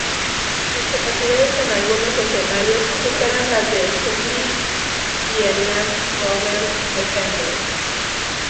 Sus capacidades, en algunos escenarios, superan las del Humvee y el Land Rover Defender.